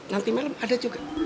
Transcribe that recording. nanti malam ada juga